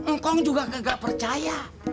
ngkong juga nggak percaya